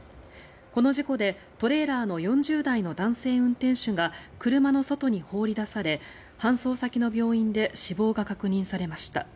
この事故で、トレーラーの４０代の男性運転手が車の外に放り出され搬送先の病院で死亡が確認されました。